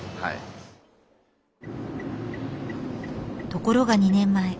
ところが２年前。